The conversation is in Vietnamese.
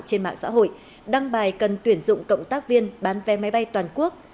trên mạng xã hội đăng bài cần tuyển dụng cộng tác viên bán vé máy bay toàn quốc